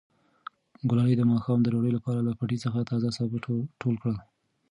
ګلالۍ د ماښام د ډوډۍ لپاره له پټي څخه تازه سابه ټول کړل.